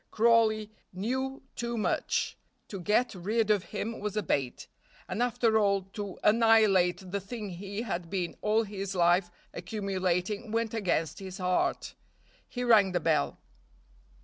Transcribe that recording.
Crawley knew too much; to get rid of him was a bait; and after all to annihilate the thing he had been all his life accumulating went against his heart. He rang the bell.